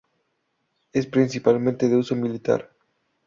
Es principalmente de uso militar.